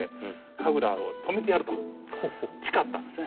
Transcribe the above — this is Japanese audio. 「神楽を止めてやる」と誓ったんですね。